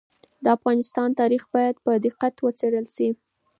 د افغانستان تاریخ باید په دقت وڅېړل سي.